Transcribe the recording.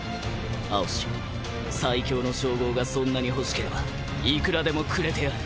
蒼紫最強の称号がそんなに欲しければいくらでもくれてやる。